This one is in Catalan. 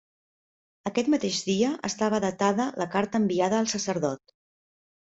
Aquest mateix dia estava datada la carta enviada al sacerdot.